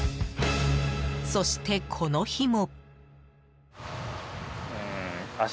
そして、この日も。